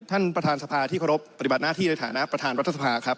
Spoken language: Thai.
ท่านประธานสภาที่เคารพปฏิบัติหน้าที่ในฐานะประธานรัฐสภาครับ